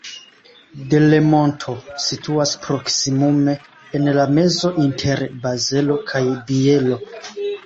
Delemonto situas proksimume en la mezo inter Bazelo kaj Bielo.